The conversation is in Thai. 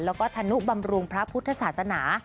แล้วก็ธนุบำรุงพระพุทธศาสนา